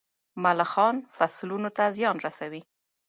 ملخان فصلونو ته زیان رسوي.